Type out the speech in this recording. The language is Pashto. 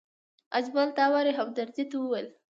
اجمل داوري همدرد ته وویل.